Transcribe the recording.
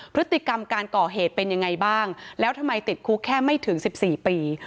พฤติกรรมการก่อเหตุเป็นยังไงบ้างแล้วทำไมติดคุกแค่ไม่ถึง๑๔ปี